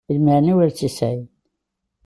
Lmeεna ur tt-yesεi.